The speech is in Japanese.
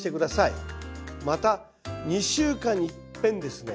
また２週間にいっぺんですね